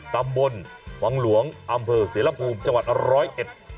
ตำบลวังหลวงอำเภอเสียละภูมิจังหวัด๑๐๑